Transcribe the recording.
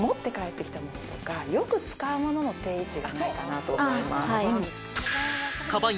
そこのかばんとか、今日持って帰ってきたとか、よく使うものの定位置がないかなと思います。